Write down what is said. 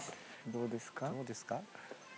どうですか？